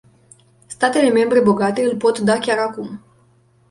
Statele membre bogate îl pot da chiar acum.